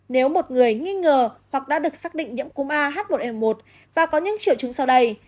nếu một người nghi ngờ hoặc đã được xác định nhiễm cúm ah một n một và có những triệu chứng sau đây